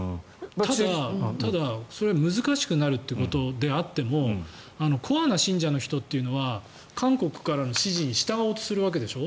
ただ、それは難しくなるということであってもコアな信者の人というのは韓国からの指示に従おうとするわけでしょ。